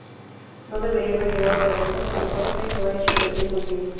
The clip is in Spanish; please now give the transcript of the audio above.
No debería haber llegado tan lejos, pero Coldplay la ha hecho rendir muy bien.